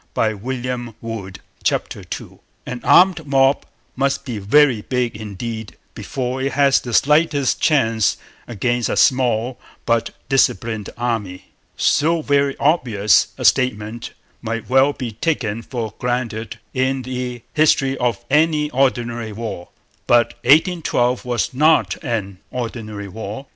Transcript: CHAPTER II OPPOSING FORCES An armed mob must be very big indeed before it has the slightest chance against a small but disciplined army. So very obvious a statement might well be taken for granted in the history of any ordinary war. But '1812' was not an ordinary war.